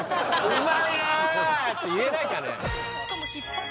「うまいなあ！」って言えないかね